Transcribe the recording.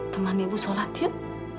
teman ibu sholat yuk